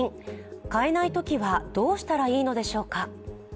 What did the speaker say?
買えないときはどうしたらいいのでしょうか。